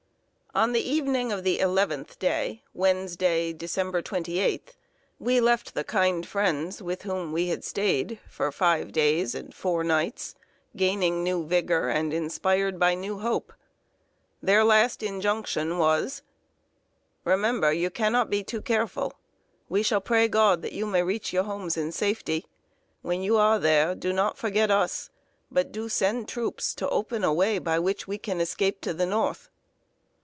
On the evening of the eleventh day, Wednesday, December 28, we left the kind friends with whom we had stayed for five days and four nights, gaining new vigor and inspired by new hope. Their last injunction was: "Remember, you cannot be too careful. We shall pray God that you may reach your homes in safety. When you are there, do not forget us, but do send troops to open a way by which we can escape to the North."